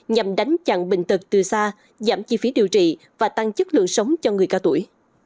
nhằm đánh chặn bệnh tật từ xa giảm chi phí điều trị và tăng chất lượng sống cho người cao tuổi